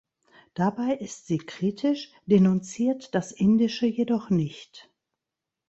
Dabei ist sie kritisch, denunziert das Indische jedoch nicht.